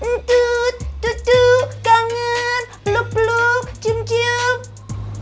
ntut tutu kangen peluk peluk cium cium